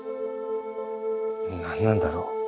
何なんだろう。